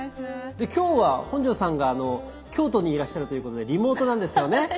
今日は本上さんが京都にいらっしゃるということでリモートなんですよね？